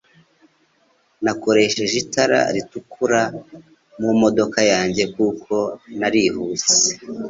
Nakoresheje itara ritukura mu modoka yanjye kuko narihuse